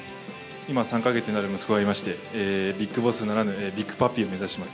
今、３か月になる息子がいまして、ビッグボスならぬ、ビッグパピーを目指します。